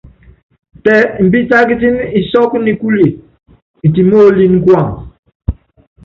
Tɛ imbítákítíní isɔ́kú nikúle itimoolíni kuam.